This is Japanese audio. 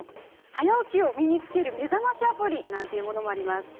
早起きを身につける目覚ましアプリなんてものも。